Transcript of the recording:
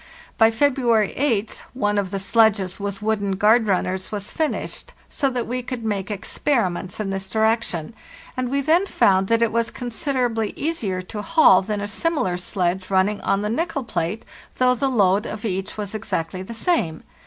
By February 8th one of the sledges with wooden guard runners was fin ished, so that we could make experiments in this direc tion, and we then found that it was considerably easier to haul than a similar sledge running on the nickel plate, though the load on each was exactly the same.